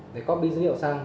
để copy dữ liệu sang